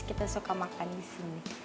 kita suka makan disini